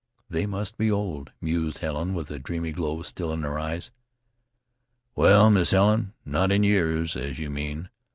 "They must be old," mused Helen, with a dreamy glow still in her eyes. "Well, Miss Helen, not in years, as you mean.